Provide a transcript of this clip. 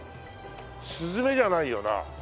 スズメじゃないよな。